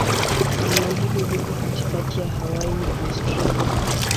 Eneo hili liko katikati ya Hawaii na Australia.